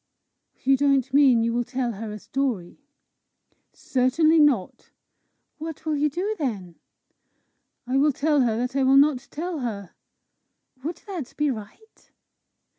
"You don't mean you will tell her a story?" "Certainly not." "What will you do then?" "I will tell her that I will not tell her." "Would that be right?"